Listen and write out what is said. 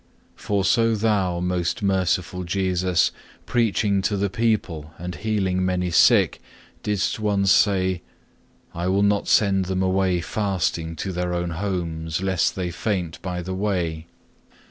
For so Thou, most merciful Jesus, preaching to the people and healing many sick, didst once say, I will not send them away fasting to their own homes, lest they faint by the way.